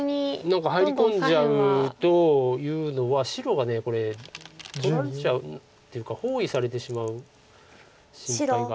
何か入り込んじゃうというのは白がこれ取られちゃうっていうか包囲されてしまう心配がありますんで。